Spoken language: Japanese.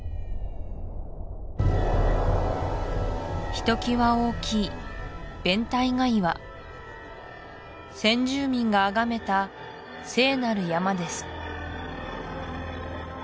ひときわ大きいベンタイガ岩先住民があがめた聖なる山です